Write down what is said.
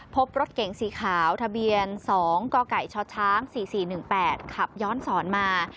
พบรถเก๋งสีขาวทะเบียน๒กกชช๔๔๑๘ขับย้อนสอนมา